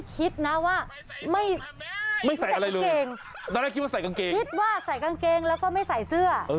คิดว่าใส่กางเกงแล้วก็ไม่ใส่เสื้อ